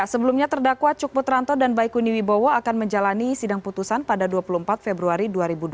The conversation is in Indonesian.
sebelumnya terdakwa cuk putranto dan baikuni wibowo akan menjalani sidang putusan pada dua puluh empat februari dua ribu dua puluh